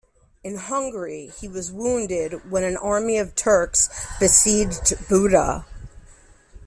In Hungary he was wounded when an army of Turks besieged Buda.